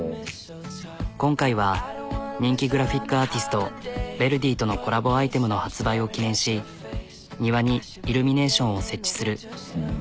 今回は人気グラフィックアーティストＶＥＲＤＹとのコラボアイテムの発売を記念し庭にイルミネーションを設置する。